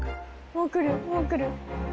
もう来る？